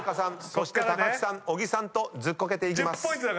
そして木さん小木さんとズッコケていきます。